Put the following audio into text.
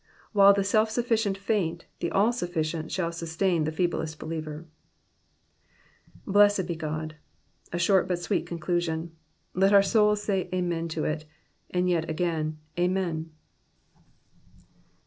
While the self sufficient faint, the All sufficient shall sustain the feeblest believer, ^''Blessed be Ood,''^ A short but sweet conclusion. Let our souls say Amen to it ; and yet, again. Amen.